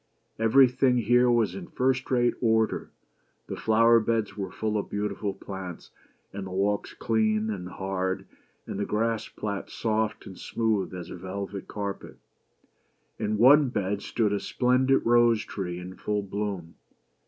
Everything here was in first rate order. The flower beds were full of beautiful plants, and the walks clean and hard, and the grass plats soft and smooth as a velvet carpet. In one bed stood a splendid rose tree in full bloom.